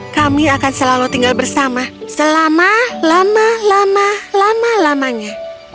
kami akan selalu tinggal bersama selama lama lamanya